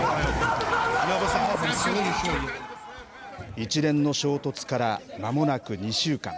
一連の衝突からまもなく２週間。